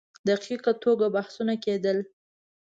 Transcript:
دقیق توګه بحثونه کېدل.